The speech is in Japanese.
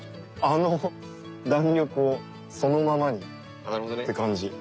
あの弾力をそのままにって感じ。